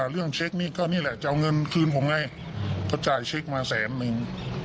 เรื่องเชนี่แหละจะเอาเงินคืนของไหนเขาจ่ายเชคมาแสนนึง